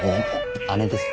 姉です。